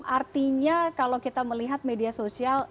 artinya kalau kita melihat media sosial